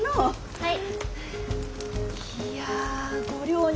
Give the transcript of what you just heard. はい。